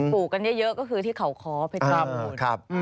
ปลูกกันเยอะก็คือที่เขาคอพฤติกรรม